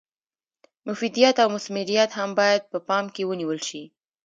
مفیدیت او مثمریت هم باید په پام کې ونیول شي.